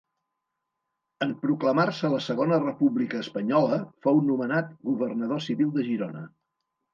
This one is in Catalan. En proclamar-se la Segona República Espanyola, fou nomenat governador civil de Girona.